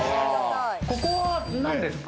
ここは何ですか？